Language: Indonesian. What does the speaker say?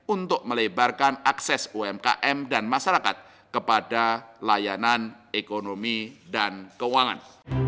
untuk melebarkan akses umkm dan masyarakat kepada layanan ekonomi dan keuangan